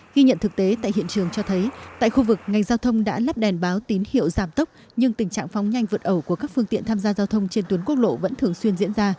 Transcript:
ghi nhận thực tế tại hiện trường cho thấy tại khu vực ngành giao thông đã lắp đèn báo tín hiệu giảm tốc nhưng tình trạng phóng nhanh vượt ẩu của các phương tiện tham gia giao thông trên tuyến quốc lộ vẫn thường xuyên diễn ra